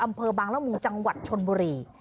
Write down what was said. อำเภอบางละมุงจังหวัดชนบุรี